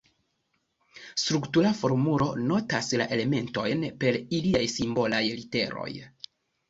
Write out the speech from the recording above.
Struktura formulo notas la elementojn per iliaj simbolaj literoj.